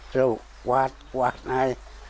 กัดบอดบอดไหน